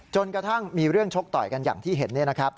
จนกระทั่งมีเรื่องชกต่อยกันอย่างที่เห็น